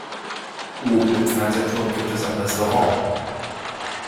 Oben im Fernsehturm gibt es ein Restaurant.